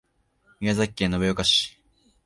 宮崎県延岡市